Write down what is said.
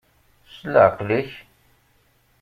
S leɛqel-ik.